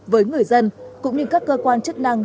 với người dân cũng như các cơ quan chức năng